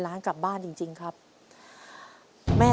ตัวเลือกที่๔ขึ้น๘ค่ำเดือน๗